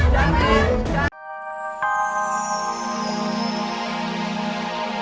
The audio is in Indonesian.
dari hari nanti